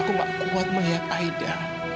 aku gak kuat melihat aida